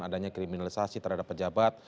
adanya kriminalisasi terhadap pejabat